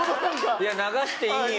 いや流していいよ。